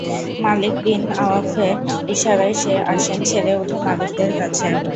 মালিক bin আওফের ইশারায় সে আসন ছেড়ে উঠে মালিকের কাছে আসে।